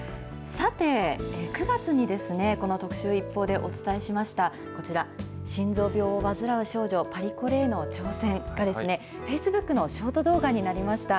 さて、９月にこの特集、ＩＰＰＯＵでお伝えしましたこちら、心臓病を患う少女、パリコレへの挑戦が、フェイスブックのショート動画になりました。